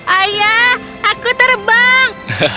ayah aku terbang